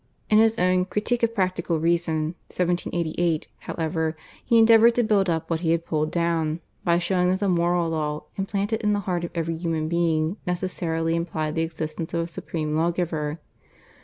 In his own /Critique of Practical Reason/ (1788), however, he endeavoured to build up what he had pulled down, by showing that the moral law implanted in the heart of every human being necessarily implied the existence of a supreme law giver.